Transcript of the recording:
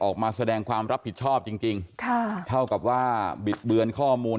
ออกมาแสดงความรับผิดชอบจริงจริงค่ะเท่ากับว่าบิดเบือนข้อมูล